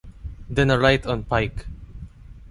Then a right on Pike.